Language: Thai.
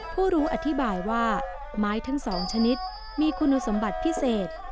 ผู้รู้อธิบายว่าไม้ทั้งสองชนิดมีคุณสมบัติพิเศษ